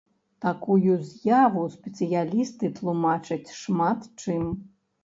Такую з'яву спецыялісты тлумачаць шмат чым.